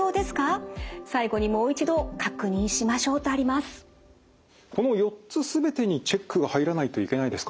まずこの４つ全てにチェックが入らないといけないですか？